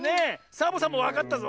サボさんもわかったぞ。